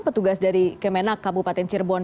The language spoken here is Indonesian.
petugas dari kemenak kabupaten cirebon